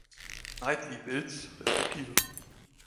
Nightly-Builds resp.